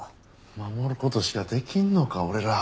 守る事しかできんのか俺らは。